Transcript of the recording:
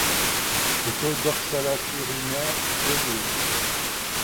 Le taux d'oxalate urinaire est élevé.